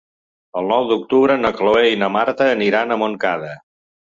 El nou d'octubre na Cloè i na Marta aniran a Montcada.